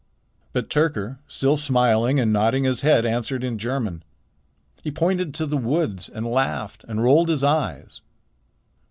But Tyrker, still smiling and nodding his head, answered in German. He pointed to the woods and laughed and rolled his eyes.